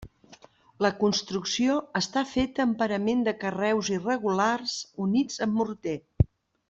La construcció està feta amb parament de carreus irregulars units amb morter.